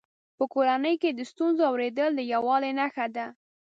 په کورنۍ کې د ستونزو اورېدل د یووالي نښه ده.